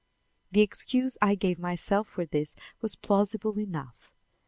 The excuse I gave myself for this was plausible enough.